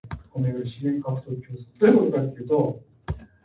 It is also one of the bigger sites belonging to the Indus Valley Civilization.